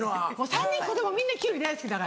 ３人子供みんなキュウリ大好きだから。